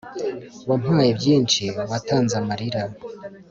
wampaye byinshi, watanze amarira!